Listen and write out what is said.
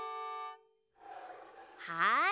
はい。